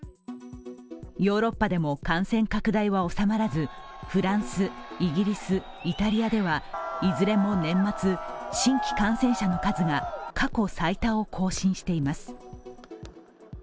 ヨーロッパでも感染拡大は収まらず、フランス、イギリス、イタリアではいずれも年末、新規感染者の数が過去最多を更新しています。